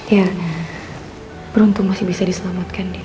ya beruntung masih bisa diselamatkan ya